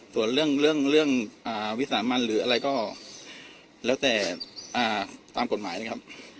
ส่วนเรื่องเรื่องเรื่องวิสามัญหรืออะไรก็แล้วแต่ตามกฎหมายนะครับ